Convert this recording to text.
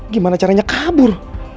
gimana caranya kabur